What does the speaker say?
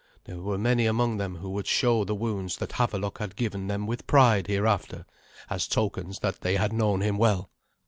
There were many among them who would show the wounds that Havelok had given them with pride hereafter, as tokens that they had known him well.